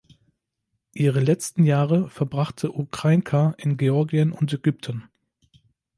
Ihre letzten Jahre verbrachte Ukrajinka in Georgien und Ägypten.